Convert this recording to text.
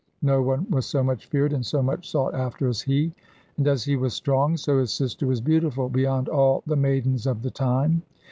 No one was so much feared and so much sought after as he. And as he was strong, so his sister was beautiful beyond all the maidens of the time.